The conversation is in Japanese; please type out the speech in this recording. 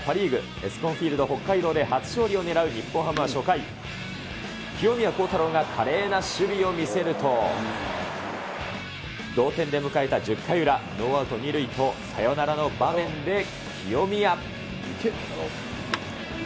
エスコンフィールドホッカイドウで、初勝利を狙う日本ハムは初回、清宮幸太郎が華麗な守備を見せると、同点で迎えた１０回裏、ノーアウト２塁とサヨナラの場面で清宮。